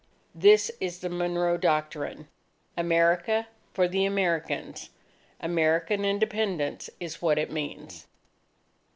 _... This is the MONROE DOCTRINE. AMERICA FOR THE AMERICANS, American Independence, is what it means.